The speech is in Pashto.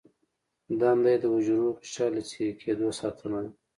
دنده یې د حجروي غشا له څیرې کیدو ساتنه ده.